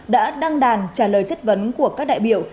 đã đăng đàn trả lời chất vấn của các đại biểu